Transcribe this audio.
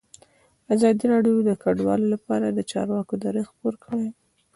ازادي راډیو د کډوال لپاره د چارواکو دریځ خپور کړی.